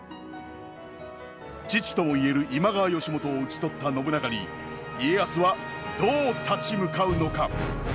父ともいえる今川義元を討ち取った信長に家康はどう立ち向かうのか。